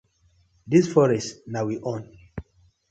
Dis forest na we own.